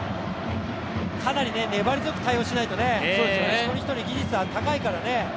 かなり粘り強く対応しないと一人一人、技術は高いからね。